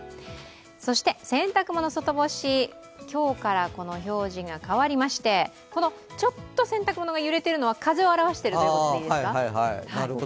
そして、洗濯物外干し今日からこの表示が変わりましてちょっと洗濯物が揺れているのは、風を表しているということです。